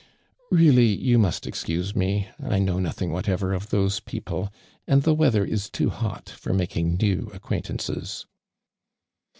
"' "Keally, you must excuse me. I know nothing whatever of those people, and the weather is too hot for making new acquaint ances."